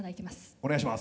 お願いします。